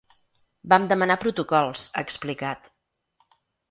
Vam demanar protocols, ha explicat.